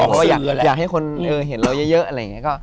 เพราะว่าอยากให้คนเห็นเราเยอะอะไรอย่างนี้